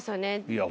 いや。